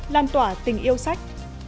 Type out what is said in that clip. lan tỏa tình yêu sách